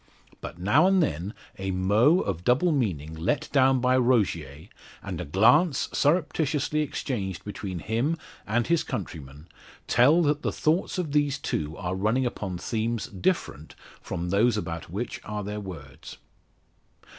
But now and then, a mot of double meaning let down by Rogier, and a glance surreptitiously exchanged between him and his countryman, tell that the thoughts of these two are running upon themes different from those about which are their words.